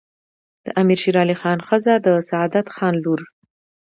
د امیر شیرعلي خان ښځه د سعادت خان لور